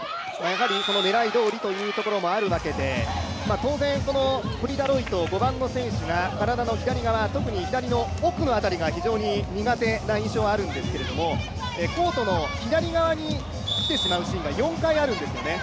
狙いどおりというところもあるわけで当然、プリ・ダロイト、５番の選手が体の左側特に左の奥の辺りが非常に苦手な印象があるんですがコートの左側に来てしまうシーンが４回あるんですよね。